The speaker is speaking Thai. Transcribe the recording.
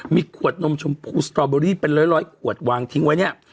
มีขวดนมชมพูสตอเบอรี่เป็นร้อยขวดวางทิ้งไว้เนี่ย